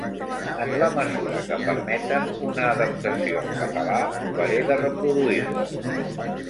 En la mesura que permeten una adaptació al català, provaré de reproduir-les.